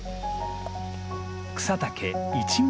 草丈１ｍ。